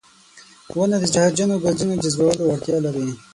• ونه د زهرجنو ګازونو جذبولو وړتیا لري.